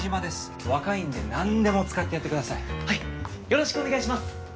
よろしくお願いします。